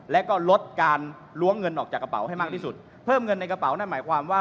และก็ลดการล้วงเงินออกจากกระเป๋าให้มากที่สุดเพิ่มเงินในกระเป๋านั่นหมายความว่า